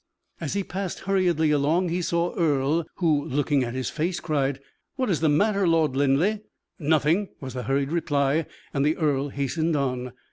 As he passed hurriedly along he saw Earle, who, looking at his face, cried: "What is the matter, Lord Linleigh?" "Nothing," was the hurried reply, and the earl hastened on.